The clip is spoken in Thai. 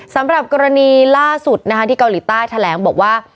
สำหรับกรณีล่าสุดที่เกาหลีใต้แถลงบอกว่า